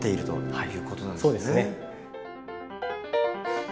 そうですね。